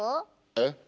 えっ？